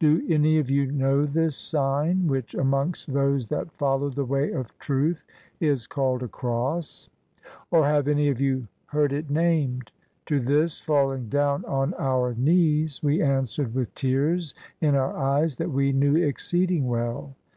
"Do any of you know this sign, which amongst those that follow the way of truth is called a cross? or have any of you heard it named? " To this, falling down 149 CHINA on our knees, we answered with tears in our eyes that we knew exceeding well.